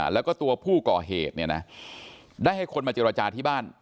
แล้วก็ตัวผู้ก่อเหตุเนี่ยนะได้ให้คนมาเจรจาที่บ้าน